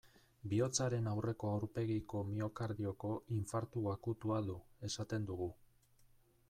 Bihotzaren aurreko aurpegiko miokardioko infartu akutua du, esaten dugu.